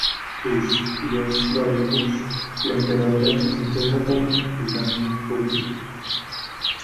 Bush, George W. Bush, el Emperador Akihito de Japón y Vladímir Putin.